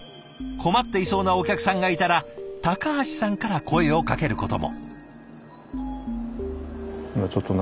困っていそうなお客さんがいたら橋さんから声をかけることも。